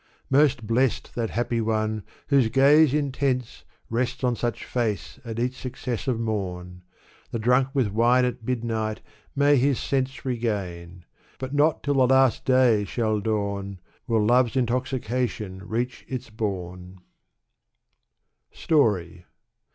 Most blest that happy one whose gaze intense Rests on such face at each successive mom ;. The dmnk with wine at midnight may his sense Regain ; but not till the last day shall dawn Will love's intoxication reach its boume. Story.